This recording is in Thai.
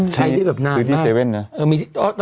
ใช่นี่แบบนานมากซื้อที่๗เนอะ